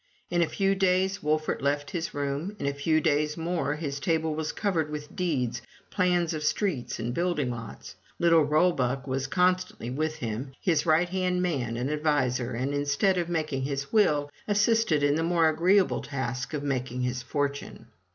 In a few days Wolfert left his room; in a few days more his table was covered with deeds, plans of streets, and building lots. Little Rollebuck was constantly with him, his right hand man and adviser and instead of making his will, assisted in the more agreeable task of making his fortune.